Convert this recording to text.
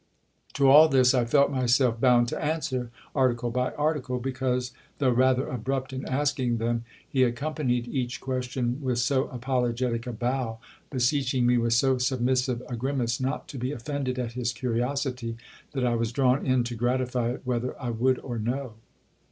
To all this I felt myself bound to answer, article by article, because, though rather abrupt in asking them, he accompanied each question with so apologetic a bow, beseeching me with so submissive a grimace not to be offended at his curiosity, that I was drawn in to gratify it whether I would or no.